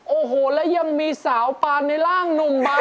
โอ้โหแล้วยังมีสาวปานในร่างหนุ่มบา